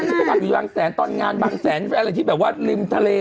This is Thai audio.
เมื่อก่อนฉันก็กลับที่วางแสนตอนงานบังแสนแฟนที่แบบว่าริมทะเล